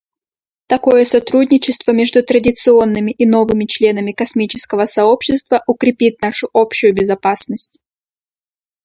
Такое сотрудничество между традиционными и новыми членами космического сообщества укрепит нашу общую безопасность.